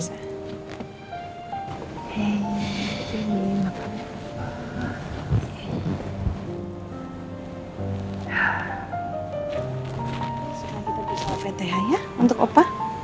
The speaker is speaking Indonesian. sekarang kita pergi ke ovth ya untuk opah